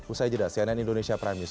usai jeda cnn indonesia prime news